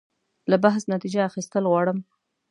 له بحث نتیجه اخیستل غواړم.